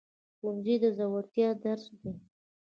ښوونځی د زړورتیا درس دی